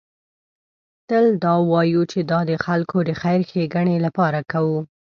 تل دا وایو چې دا د خلکو د خیر ښېګڼې لپاره کوو.